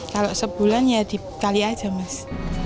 kalau sebulan ya dikali aja mas